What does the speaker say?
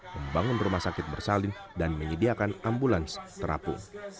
membangun rumah sakit bersalin dan menyediakan ambulans terapung